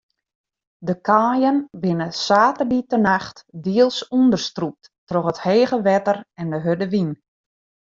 De kaaien binne saterdeitenacht diels ûnderstrûpt troch it hege wetter en de hurde wyn.